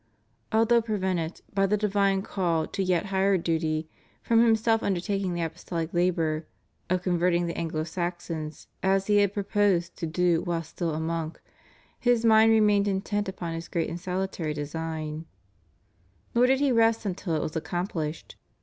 Although prevented, by the divine call to yet higher duty, from himself undertaking the apostolic labor "of converting the Anglo Saxons, as he had proposed to do whilst still a monk, his mind remained intent upon this great and salutary design,"^ nor did he rest until it was accomplished.